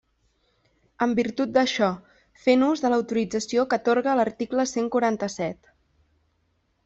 En virtut d'això, fent ús de l'autorització que atorga l'article cent quaranta-set.